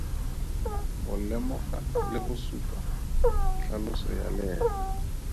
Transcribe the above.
Go lemoga le go supa tlhaloso ya leele.